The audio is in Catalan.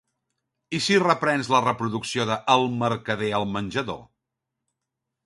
I si reprens la reproducció d'"El mercader" al menjador?